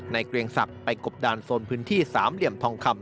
เกรียงศักดิ์ไปกบดานโซนพื้นที่สามเหลี่ยมทองคำ